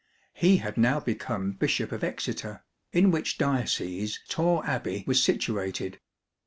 He had now become bishop of Exeter, in which diocese Torre Abbey was situated.